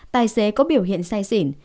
tài xế có biểu hiện say xỉn